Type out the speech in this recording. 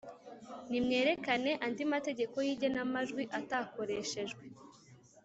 Nimwerekane andi mategeko y’igenamajwi atakoreshejwe